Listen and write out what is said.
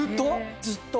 ずっと。